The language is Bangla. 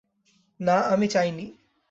না, আমি চাই নি।